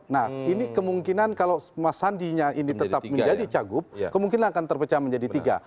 nah ini kemungkinan kalau mas sandinya ini tetap menjadi cagup kemungkinan akan terpecah menjadi tiga